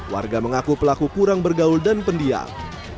warga mengaku pelaku kurang bergaul dan pendiam